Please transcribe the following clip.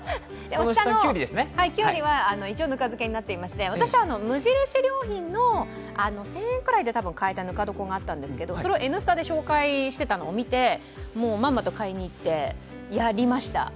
きゅうりは一応ぬか漬けになっていまして、私は無印良品の１０００円くらいで買えたぬか床があったんですけれどもそれを「Ｎスタ」で紹介していたのを見て、まんまと買いに行って、やりました。